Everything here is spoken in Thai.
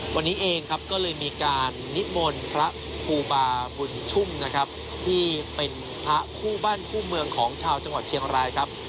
วันนี้เองครับก็เลยมีการนิมนต์พระครูบาบุญชุ่มนะครับที่เป็นพระคู่บ้านคู่เมืองของชาวจังหวัดเชียงรายครับ